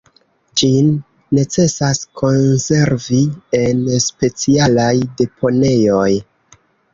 Ĝin necesas konservi en specialaj deponejoj.